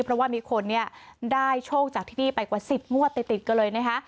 เพราะว่ามีคนเนี่ยได้โชคจากที่นี่ไปกว่า๑๐งวดติดกันเลยนะคะ